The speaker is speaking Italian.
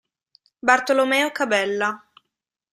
Bartolomeo Cabella